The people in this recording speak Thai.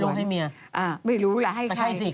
ให้รถให้เมียไม่รู้ละให้ใคร